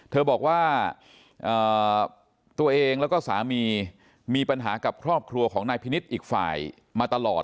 เธอบอกว่าตัวเองแล้วก็สามีมีปัญหากับครอบครัวของนายพินิษฐ์อีกฝ่ายมาตลอด